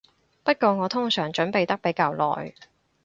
不過我通常準備得比較耐